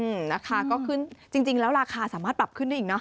อืมนะคะก็ขึ้นจริงจริงแล้วราคาสามารถปรับขึ้นได้อีกเนอ